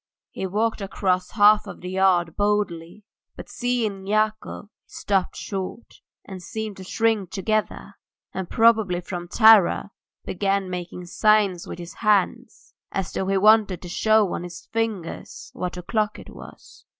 He walked across half the yard boldly, but seeing Yakov he stopped short, and seemed to shrink together, and probably from terror, began making signs with his hands as though he wanted to show on his fingers what o'clock it was.